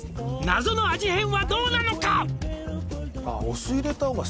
「謎の味変はどうなのか」